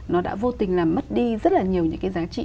nó đã vô tình làm mất đi rất là nhiều những cái giá trị